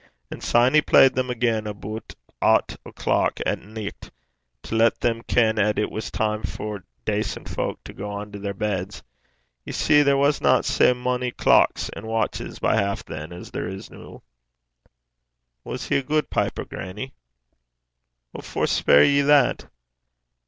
And syne he played them again aboot aucht o'clock at nicht, to lat them ken 'at it was time for dacent fowk to gang to their beds. Ye see, there wasna sae mony clocks and watches by half than as there is noo.' 'Was he a guid piper, grannie?' 'What for speir ye that?'